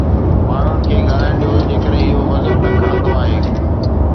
ماڻهن کي ڳالهائڻ ڏيو جيڪڏهن اهو وزن نه کڻندو آهي.